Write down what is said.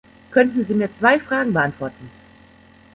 Könnten Sie mir zwei Fragen beantworten?